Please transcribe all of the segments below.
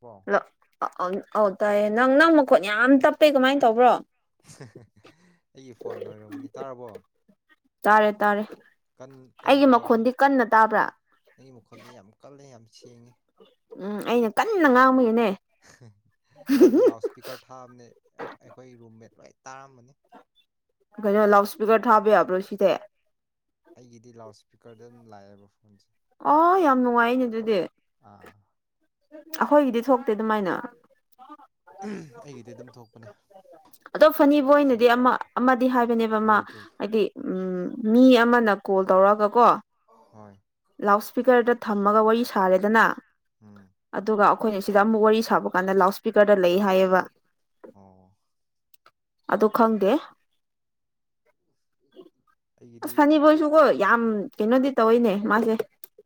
ꯀꯣ ꯑ ꯑꯣ ꯑꯧ ꯇꯥꯏꯌꯦ ꯅꯪ ꯅꯪ ꯃꯈꯣꯠ ꯌꯥꯝ ꯇꯞꯄꯦ ꯀꯃꯥꯏꯟ ꯇꯧꯕ꯭ꯔꯣ ꯑꯩꯒꯤ ꯐꯣꯟ ꯑꯣꯏꯔꯝꯒꯅꯤ ꯇꯥꯔꯕꯣ ꯇꯥꯔꯦ ꯇꯥꯔꯦ ꯀꯟ ꯑꯩꯒꯤ ꯀꯟꯕ꯭ꯔꯣꯕ ꯃꯈꯣꯟꯗꯤ ꯀꯟꯅ ꯇꯥꯕ꯭ꯔꯥ ꯅꯪꯒꯤ ꯃꯈꯣꯟꯗꯤ ꯌꯥꯝ ꯀꯜꯂꯦ ꯌꯥꯝ ꯁꯦꯡꯉꯦ ꯎꯝ ꯑꯩꯅ ꯀꯟꯅ ꯉꯥꯡꯕꯒꯤꯅꯦ ꯑꯩꯅ ꯂꯥꯎꯠ ꯏꯁꯄꯤꯀꯔ ꯊꯥꯕꯅꯦ ꯑꯩꯈꯣꯏ ꯔꯨꯝꯃꯦꯠ ꯂꯣꯏ ꯇꯥꯔꯝꯃꯅꯤ ꯀꯩꯅꯣ ꯂꯥꯎꯠ ꯁ꯭ꯄꯤꯀꯔ ꯊꯥꯕ ꯌꯥꯕ꯭ꯔꯣ ꯁꯤꯗꯦ ꯑꯩꯒꯤꯗꯤ ꯂꯥꯎꯠ ꯏꯁꯄꯤꯀꯔꯗ ꯑꯗꯨꯝ ꯂꯥꯛꯑꯦꯕ ꯐꯣꯟꯁꯦ ꯑꯣ ꯌꯥꯝ ꯅꯨꯡꯉꯥꯏꯅꯦ ꯑꯗꯨꯗꯤ ꯑꯥ ꯑꯩꯈꯣꯏꯒꯤꯗꯤ ꯊꯣꯛꯇꯦ ꯑꯗꯨꯃꯥꯏꯅ ꯑꯩꯒꯤꯗꯤ ꯑꯗꯨꯝ ꯊꯣꯛꯄꯅꯦ ꯑꯗꯣ ꯐꯅꯤ ꯕꯣꯏꯅꯗꯤ ꯑꯃ ꯑꯃꯗꯤ ꯍꯥꯏꯕꯅꯦꯕ ꯃꯥ ꯔꯦꯗꯤꯑꯣ ꯍꯥꯏꯗꯤ ꯎꯝ ꯃꯤ ꯑꯃꯅ ꯀꯣꯜ ꯇꯧꯔꯒ ꯀꯣ ꯍꯣꯏ ꯂꯥꯎꯠꯁꯄꯤꯀꯔꯗ ꯊꯝꯃꯒ ꯋꯥꯔꯤ ꯁꯥꯔꯦꯗꯅ ꯎꯝ ꯑꯗꯨꯒ ꯑꯩꯈꯣꯏꯅ ꯁꯤꯗ ꯑꯃꯨꯛ ꯋꯥꯔꯤ ꯁꯥꯕ ꯀꯥꯟꯗ ꯂꯥꯎꯠ ꯏꯁꯄꯤꯀꯔꯗ ꯂꯩ ꯍꯥꯏꯌꯦꯕ ꯑꯣ ꯑꯗꯨ ꯈꯪꯗꯦ ꯑꯩꯒꯤꯗꯤ ꯑꯁ ꯐꯅꯤ ꯕꯣꯏꯖꯨꯀꯣ ꯌꯥꯝ ꯀꯩꯅꯣꯗꯤ ꯇꯧꯋꯤꯅꯦ ꯃꯥꯁꯦ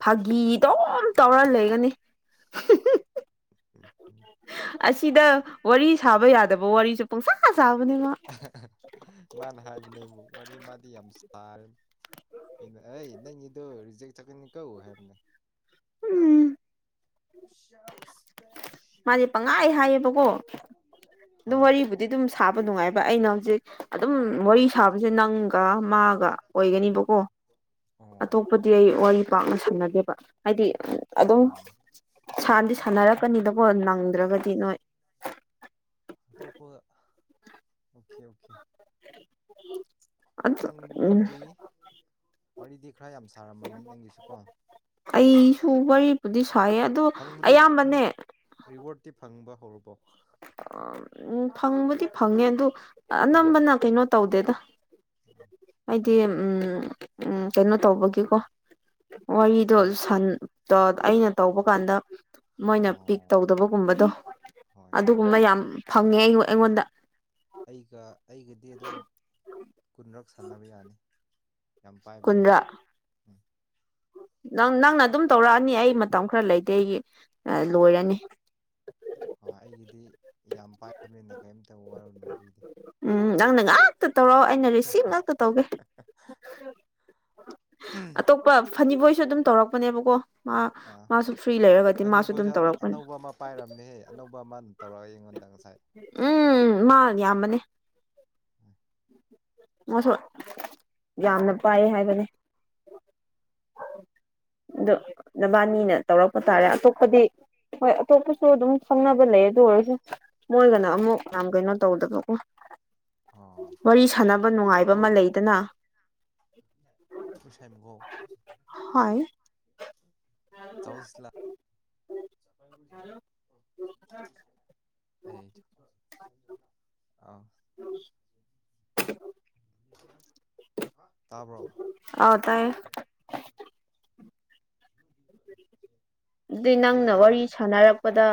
ꯐꯥꯒꯤ ꯑꯗꯨꯝ ꯇꯧꯔ ꯂꯩꯒꯅꯤ ꯎꯝ ꯎꯝ ꯑꯁꯤꯗ ꯋꯥꯔꯤ ꯁꯥꯕ ꯌꯥꯗꯕ ꯋꯥꯔꯤꯁꯨ ꯄꯪꯁꯥ ꯁꯥꯕꯅꯦ ꯃꯥ ꯃꯥꯅ ꯍꯥꯏꯕꯅꯦꯕ ꯋꯥꯔꯤ ꯃꯥꯗꯤ ꯌꯥꯝ ꯁꯔꯦ ꯑꯩꯅ ꯑꯩ ꯅꯪꯒꯤꯗꯣ ꯔꯤꯖꯦꯛ ꯆꯠꯀꯅꯤ ꯀꯣ ꯍꯥꯏꯕꯅꯦ ꯎꯝ [unintelligible] [inaudible] ꯃꯥꯗꯤ ꯄꯪꯍꯥꯏ ꯍꯥꯏꯌꯦꯕꯀꯣ ꯑꯗꯨꯝ ꯍꯣꯏ ꯋꯥꯔꯤꯕꯨꯗꯤ ꯑꯗꯨꯝ ꯁꯥꯕ ꯅꯨꯡꯉꯥꯏꯕ ꯑꯩꯅ ꯍꯧꯖꯤꯛ ꯑꯗꯨꯝ ꯋꯥꯔꯤ ꯁꯥꯕꯁꯦ ꯅꯪꯒ ꯃꯥꯒ ꯑꯣꯏꯒꯅꯤꯕꯀꯣ ꯑꯣ ꯑꯇꯣꯞꯄꯗꯤ ꯑꯩ ꯋꯥꯔꯤ ꯄꯥꯛꯅ ꯁꯥꯟꯅꯗꯦꯕ ꯍꯥꯏꯗꯤ ꯑꯗꯨꯝ ꯎꯝ ꯁꯥꯟꯗꯤ ꯁꯥꯟꯅꯔꯛꯀꯅꯤꯕꯀꯣ ꯅꯪꯗ꯭ꯔꯥꯕꯗꯤ ꯅꯣꯏ ꯑꯇꯣꯞꯄ ꯑꯣꯈꯦ ꯑꯣꯈꯦ [inaudible] ꯅꯪ ꯎꯝ ꯅꯪꯒꯤꯗꯤ ꯋꯥꯔꯤꯗꯤ ꯈꯔ ꯌꯥꯝ ꯁꯥꯔꯝꯃꯅꯤ ꯅꯪꯒꯤꯁꯨ ꯀꯣ ꯑꯩꯁꯨ ꯋꯥꯔꯤꯄꯨꯗꯤ ꯁꯥꯏꯌꯦ ꯑꯗꯣ ꯐꯪꯕꯗꯤ ꯑꯌꯥꯝꯕꯅꯦ ꯔꯤꯋꯥꯔꯗꯇꯤ ꯐꯪꯕ ꯍꯧꯔꯕꯣ ꯎꯝ ꯐꯪꯕꯗꯤ ꯐꯪꯉꯦ ꯑꯗꯣ ꯑꯅꯝꯕꯅ ꯀꯩꯅꯣ ꯇꯧꯗꯦꯗ ꯎꯝ ꯍꯥꯏꯗꯤ ꯎꯝ ꯎꯝ ꯀꯩꯅꯣ ꯇꯧꯕꯒꯤꯀꯣ ꯋꯥꯔꯤꯗꯣ ꯁꯥꯟ ꯇꯣ ꯑꯩꯅ ꯇꯧꯕ ꯀꯥꯟꯗ ꯃꯣꯏꯅ ꯄꯤꯛ ꯑꯣ ꯇꯧꯗꯕꯒꯨꯝꯕꯗꯣ ꯍꯣꯏ ꯍꯣꯏ ꯑꯗꯨꯒꯨꯝꯕ ꯌꯥꯝ ꯐꯪꯉꯦ ꯑꯩ ꯑꯩꯉꯣꯟꯗ ꯑꯩꯒ ꯑꯩꯒꯗꯤ ꯑꯗꯨꯝ ꯀꯨꯟꯔꯛ ꯁꯥꯟꯅꯕ ꯌꯥꯅꯤ ꯌꯥꯝ ꯄꯥꯏꯕꯅꯦ ꯀꯨꯟꯗ꯭ꯔꯥ ꯃꯤꯗꯤ ꯅꯪ ꯅꯪꯅ ꯑꯗꯨꯝ ꯇꯧꯔꯛꯑꯅꯤ ꯑꯩ ꯃꯇꯝ ꯈꯔ ꯂꯩꯇꯦ ꯑꯩꯒꯤ ꯂꯣꯏꯔꯅꯤ ꯍꯣꯏ ꯑꯩꯒꯤꯗꯤ ꯌꯥꯝ ꯄꯥꯏꯕꯅꯤꯅ ꯀꯔꯤꯝꯇ ꯋꯥꯔꯨꯅꯨ ꯑꯗꯨꯒꯤꯗꯤ ꯎꯝ ꯅꯪꯅ ꯉꯥꯛꯇ ꯇꯧꯔꯛꯑꯣ ꯑꯩꯅ ꯔꯤꯁꯤꯞ ꯉꯥꯛꯇ ꯇꯧꯒꯦ ꯄꯥ ꯐꯅꯤꯕꯣꯏꯁꯨ ꯑꯗꯨꯝ ꯇꯧꯔꯛꯄꯅꯦꯕꯀꯣ ꯃꯥ ꯑꯥ ꯃꯥꯁꯨ ꯐ꯭ꯔꯤ ꯂꯩꯔꯒꯗꯤ ꯐꯅꯤ ꯃꯥꯁꯨ ꯑꯗꯨꯝ ꯕꯣꯏꯁꯨ ꯇꯧꯔꯛꯄꯅꯤ ꯑꯅꯧꯕ ꯑꯃ ꯄꯥꯏꯔꯝꯅꯦꯍꯦ ꯑꯅꯧꯕ ꯑꯃꯅ ꯇꯧꯔꯒ ꯑꯩꯉꯣꯟꯗꯪ ꯉꯁꯥꯏ ꯎꯝ ꯃꯥꯟ ꯌꯥꯝꯕꯅꯤ [inaudible] ꯃꯁꯨ ꯌꯥꯝꯅ ꯄꯥꯏꯌꯦ ꯍꯥꯏꯕꯅꯤ ꯑꯗꯣ ꯅꯕꯥꯅꯤꯅ ꯇꯧꯔꯛꯄ ꯇꯥꯔꯦ ꯑꯇꯣꯞꯄꯗꯤ ꯍꯣꯏ ꯑꯇꯣꯞꯄꯁꯨ ꯑꯗꯨꯝ ꯈꯪꯅꯕ ꯂꯩ ꯑꯗꯨ ꯑꯣꯏꯔꯁꯨ ꯃꯣꯏꯒꯅ ꯑꯃꯨꯛ ꯌꯥꯝ ꯀꯩꯅꯣ ꯇꯧꯗꯕꯀꯣ ꯑꯥ ꯋꯥꯔꯤ ꯁꯥꯟꯅꯕ ꯅꯨꯡꯉꯥꯏꯕ ꯍꯣ ꯑꯃ ꯂꯩꯗꯅ ꯄꯨꯁꯟꯒꯣ ꯍꯥꯏ ꯆꯧꯁꯂꯥꯛ [unintelligible] ꯑꯩ ꯑꯥ [inaudible] ꯇꯥꯕꯣ ꯑ ꯇꯥꯏ [unintelligible] ꯑꯗꯨ ꯑꯩ ꯅꯪꯅ ꯋꯥꯔꯤ ꯑꯗꯨꯗꯤ ꯁꯥꯟꯅꯔꯛꯄꯗ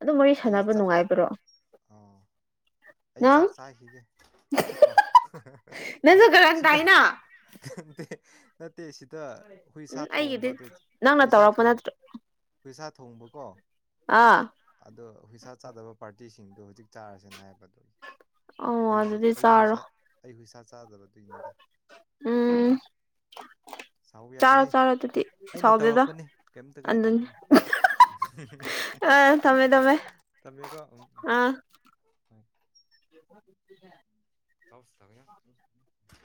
ꯑꯗꯨꯝ ꯋꯥꯔꯤ ꯁꯥꯟꯅꯕ ꯅꯨꯡꯉꯥꯏꯕ꯭ꯔꯣ ꯑꯥ ꯑꯩ ꯅꯪ ꯆꯥꯛ ꯆꯥꯈꯤꯒꯦ ꯀꯣ ꯅꯪꯁꯨ ꯀꯔꯟ ꯁꯤꯗ ꯇꯥꯏꯅ [unintelligible] ꯅꯠꯇꯦ ꯁꯤꯗ ꯍꯨꯏꯁ ꯎꯝ ꯊꯣꯡꯕ ꯑꯩꯒꯤꯗꯤ ꯑꯗꯨ ꯅꯪꯅ ꯍꯨꯏ ꯁꯥ ꯇꯧꯔꯛꯄ ꯊꯣꯡꯕ ꯅꯠꯇ꯭ꯔꯣ ꯍꯨꯏꯁꯥ ꯊꯣꯡꯕꯀꯣ ꯑꯥ ꯑꯗꯣ ꯍꯨꯏꯁꯥ ꯆꯥꯗꯕ ꯄꯥꯔꯇꯤꯁꯤꯡꯗꯣ ꯍꯧꯖꯤꯛ ꯆꯥꯔꯁꯤꯅ ꯍꯥꯏꯕꯗꯨꯒꯤ ꯑꯣ ꯑꯩꯁꯤ ꯑꯗꯨꯗꯤ ꯑꯩ ꯆꯥꯔꯣ ꯍꯨꯏꯁ ꯑꯩ ꯍꯨꯏꯁꯥ ꯆꯥꯗꯕꯗꯣꯏꯅꯤꯗ ꯎꯝ [inaudible] ꯁꯎꯕꯥꯥ ꯆꯥꯔꯣ ꯌꯥꯗꯦꯍꯦ ꯆꯥꯔꯣ ꯑꯗꯨꯗꯤ ꯑꯩꯅ ꯁꯥꯎꯗꯦꯗ ꯇꯧꯔꯛꯄꯅꯦ ꯀꯩꯝꯇ ꯀꯥꯏꯗꯦ ꯑꯗꯨꯅꯤ ꯎꯝ ꯑ ꯊꯝꯃꯦ ꯊꯝꯃꯦ [unintelligible] ꯇꯝꯃꯦꯀꯣ ꯑꯥ [unintelligible] [inaudible] ꯆꯥꯎꯁ [unintelligible]